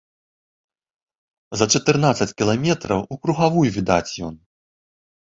За чатырнаццаць кіламетраў укругавую відаць ён.